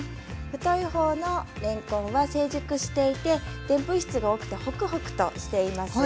太い方のれんこんは成熟していてでんぷん質が多くてホクホクとしています。